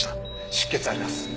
出血あります。